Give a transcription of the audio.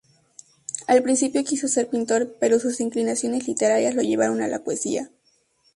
Al principio quiso ser pintor, pero sus inclinaciones literarias lo llevaron a la poesía.